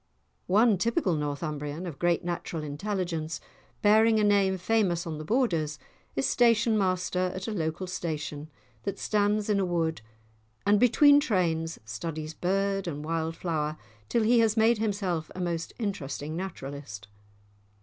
One typical Northumbrian, of great natural intelligence, bearing a name famous on the Borders, is station master at a local station that stands in a wood, and between trains, studies bird and wild flower till he has made himself a most interesting naturalist.